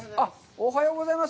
おはようございます。